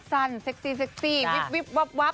สั้นเซ็กซี่วิบวับ